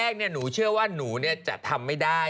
หนูเชื่อว่าหนูจะทำไม่ได้